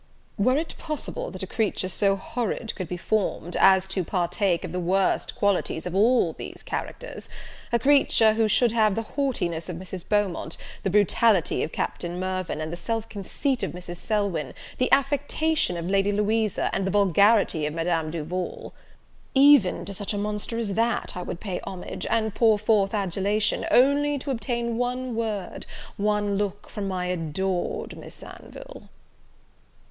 Were it possible that a creature so horrid could be formed, as to partake of the worst qualities of all these characters, a creature who should have the haughtiness of Mrs. Beaumont, the brutality of Captain Mirvan, the self conceit of Mrs. Selwyn, the affectation of Lady Louisa, and the vulgarity of Madame Duval, even to such a monster as that I would pay homage, and pour forth adulation, only to obtain one word, one look from my adored Miss Anville!"